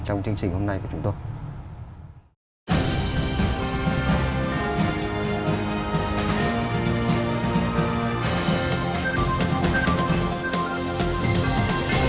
trong chương trình hôm nay của chúng tôi